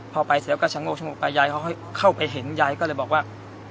พอไปเสร็จแล้วก็ชะโงกชะโงกไปยายเขาเข้าไปเห็นยายก็เลยบอกว่า